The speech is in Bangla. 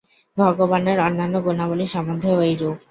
ভগবানের অন্যান্য গুণাবলী সম্বন্ধেও এইরূপ।